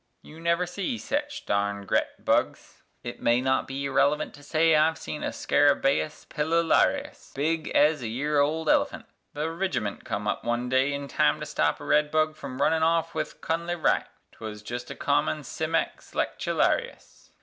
You never see sech darned gret bugs (it may not be irrelevant To say I've seen a _scarabæus pilularius_[A] big ez a year old elephant), The rigiment come up one day in time to stop a red bug From runnin' off with Cunnle Wright 'twuz jest a common cimex lectularius.